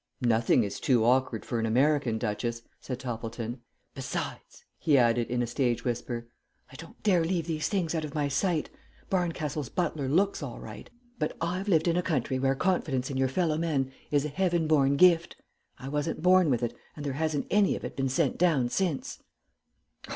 "Nothing is too awkward for an American, Duchess," said Toppleton. "Besides," he added in a stage whisper, "I don't dare leave these things out of my sight. Barncastle's butler looks all right, but I've lived in a country where confidence in your fellow men is a heaven born gift. I wasn't born with it, and there hasn't any of it been sent down since."